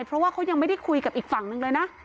เพราะว่าเขายังไม่ได้คุยกับอีกฝั่งหนึ่งเลยนะ